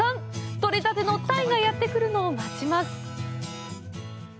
取れたての鯛がやってくるのを待ちます！